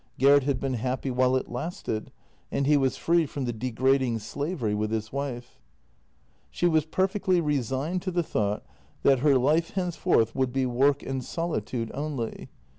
Gert had been happy while it lasted, and he was free from the degrading slavery with his wife. She was perfectly resigned to the thought that her life hence forth would be work and solitude only.